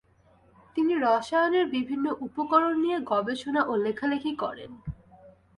তিনি রসায়নের বিভিন্ন উপকরণ নিয়ে গবেষণা ও লেখালেখি করেন।